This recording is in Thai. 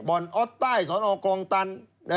บ่อนอ๊อตใต้สอนออกลองตัน